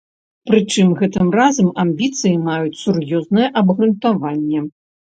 Прычым гэтым разам амбіцыі маюць сур'ёзнае абгрунтаванне.